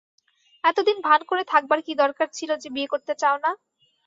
এতদিন ভান করে থাকবার কী দরকার ছিল যে বিয়ে করতে চাও না?